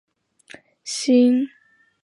新城数码财经台是新城电台的一个频道。